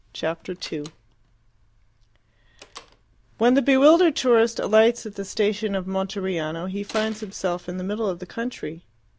Chapter 2 When the bewildered tourist alights at the station of Monteriano, he finds himself in the middle of the country.